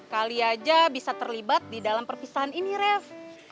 kalian aja bisa terlibat di dalam perpisahan ini ref